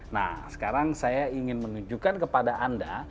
nah sekarang saya ingin menunjukkan kepada anda